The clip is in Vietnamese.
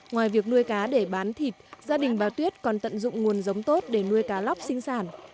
ngoài việc nuôi cá để bán thịt gia đình bà tuyết còn tận dụng nguồn giống tốt để nuôi cá lóc sinh sản